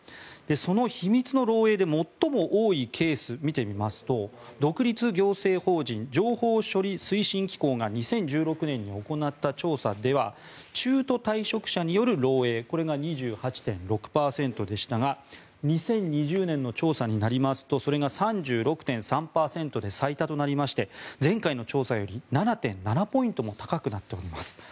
その秘密の漏えいで最も多いケースを見てみますと独立行政法人情報処理推進機構が２０１６年に行った調査では中途退職者による漏えいこれが２８．６％でしたが２０２０年の調査になりますとそれが３６．３％で最多となりまして前回の調査より７．７ポイントも高くなっております。